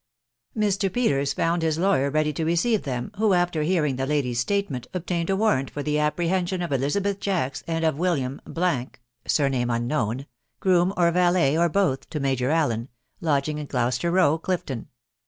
Mr. Peters found his lawyer ready to receive them, who, after hearing the lady's statement, obtained a warrant for the apprehension of Elizabeth Jacks and of William —— (sur name unknown), groom or valet, or both, to Major Allen, lodging at Gloucester Row, Clifton.